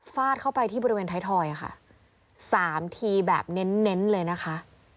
เข้าไปที่บริเวณไทยทอยค่ะสามทีแบบเน้นเลยนะคะ